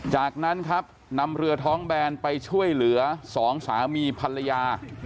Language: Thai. จากนั้นครับนำเรือท้องแบนไปช่วยเหลือสองสามีภรรยา